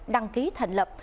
đăng ký thành lập